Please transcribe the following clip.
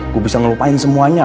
gue bisa ngelupain semuanya